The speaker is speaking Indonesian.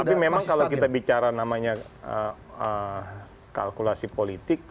tapi memang kalau kita bicara namanya kalkulasi politik